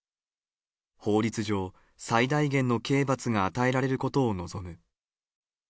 法律上、最大限の刑罰が与えられることを望む。